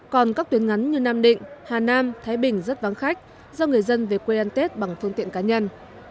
còn các tuyến ngắn như nam định hà nam thái bình rất vắng khách do người dân về quê ăn tết bằng phương tiện cá nhân